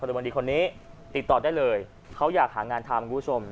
ละเมืองดีคนนี้ติดต่อได้เลยเขาอยากหางานทำคุณผู้ชม